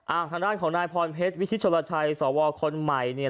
ทางด้านของนายพรเพชรวิชิชลชัยสวคนใหม่เนี่ย